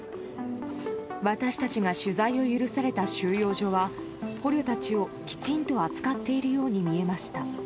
私たちが取材を許された収容所は捕虜たちを、きちんと扱っているように見えました。